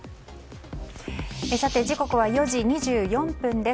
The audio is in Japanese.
時刻は４時２４分です。